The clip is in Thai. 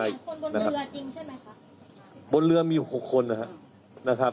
เสียงคนบนเรือจริงใช่ไหมคะบนเรือมีหกคนนะครับนะครับก็ก็มีมีแค่นั้นนะครับ